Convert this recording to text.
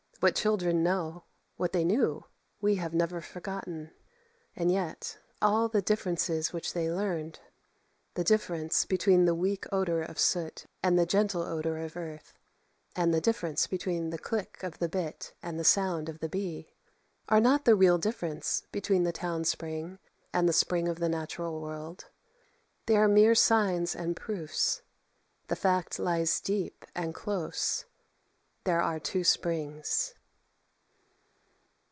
What children know what they knew we have never forgotten. And yet all the differences which they learned the difference between the weak odour of soot and the gentle odour of earth, and the difference between the click of the bit and the sound of the bee are not the real difference between the town spring and the spring of the natural world. They are mere signs and proofs; the fact lies deep and close; there are two springs.